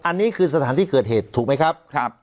อันนี้คือสถานที่เกิดเหตุถูกไหมครับ